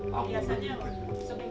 biasanya seperti berapa kali